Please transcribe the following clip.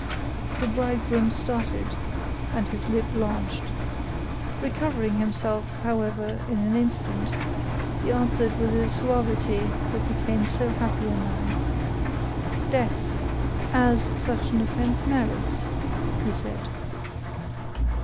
The bridegroom started, and his lip blanched. Recovering himself, however, on the instant, he answered with a suavity that became so happy a man,— "Death!—as such an offense merits," he said.